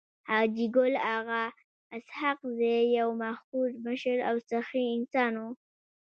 حاجي ګل اغا اسحق زی يو مخور مشر او سخي انسان وو.